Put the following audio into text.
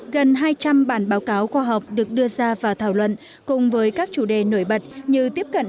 gần hai trăm linh bản báo cáo khoa học được đưa ra và thảo luận cùng với các chủ đề nổi bật như tiếp cận